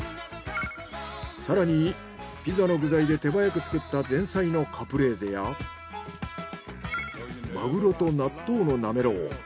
更にピザの具材で手早く作った前菜のカプレーゼやマグロと納豆のなめろう。